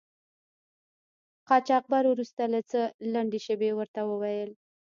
قاچاقبر وروسته له څه لنډې شیبې ورته و ویل.